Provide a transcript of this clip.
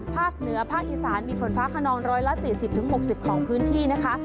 ภาคเหนือภาคอีสานมีฝนฟ้าขนอง๑๔๐๖๐ของพื้นที่นะคะ